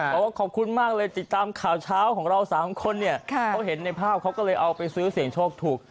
บอกว่าขอบคุณมากเลยติดตามข่าวเช้าของเรา๓คนเนี่ยเขาเห็นในภาพเขาก็เลยเอาไปซื้อเสียงโชคถูก